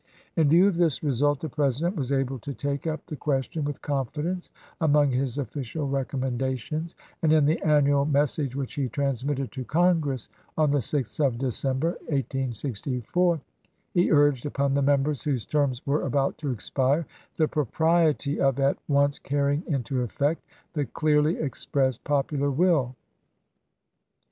In view of this result the President was able to take up the question with confidence among his official recommendations ; and in the annual message which he transmitted to Congress on the 6th of December, 1864, he urged upon the Members whose terms were about to expire the propriety of at once carrying into effect the clearly expressed popular will.